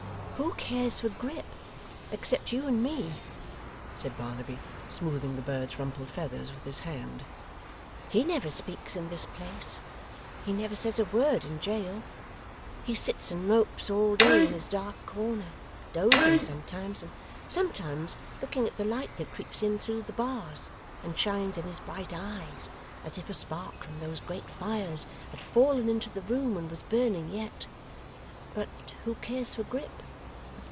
'Who cares for Grip, except you and me?' said Barnaby, smoothing the bird's rumpled feathers with his hand. 'He never speaks in this place; he never says a word in jail; he sits and mopes all day in his dark corner, dozing sometimes, and sometimes looking at the light that creeps in through the bars, and shines in his bright eye as if a spark from those great fires had fallen into the room and was burning yet. But who cares for Grip?